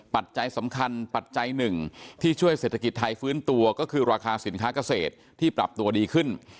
ปัจจัยสำคัญปัจจัยหนึ่งที่ช่วยเศรษฐกิจไทยฟื้นตัวก็คือราคาสินค้าเกษตรที่ปรับตัวดีขึ้น